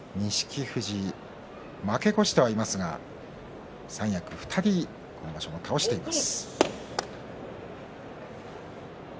富士は負け越していますが三役を２人今場所、倒しています。